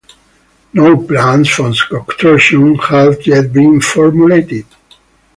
No plans for construction have yet been formulated.